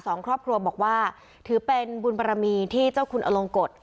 สองครอบครัวบอกว่าถือเป็นบุญบารมีที่เจ้าคุณอลงกฎ